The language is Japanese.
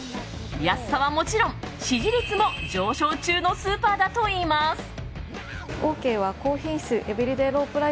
安さはもちろん、支持率も上昇中のスーパーだといいます。